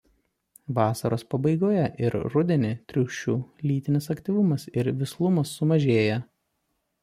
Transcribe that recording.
Vasaros pabaigoje ir rudenį triušių lytinis aktyvumas ir vislumas sumažėja.